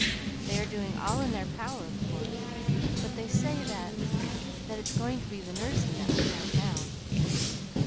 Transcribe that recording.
They are doing all in their power, of course, but they say that that it's going to be the nursing that will count now."